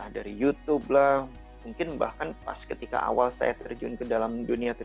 dari youtube lah mungkin bahkan pas ketika awal saya terjun ke dalam dunia